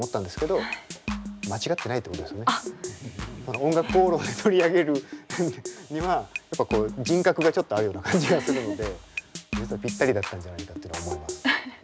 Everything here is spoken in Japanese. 「おんがくこうろん」で取り上げるにはやっぱこう人格がちょっとあるような感じがするので実はぴったりだったんじゃないかってのは思います。